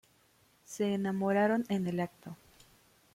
Se enamoraron en el acto.